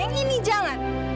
yang ini jangan